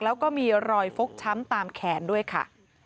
แล้วก็มีรอยฟกช้ำตามแขนด้วยค่ะ